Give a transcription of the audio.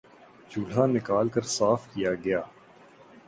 چولہا نکال کر صاف کیا گیا